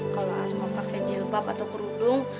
kalau semua pakai jilbab atau kerudung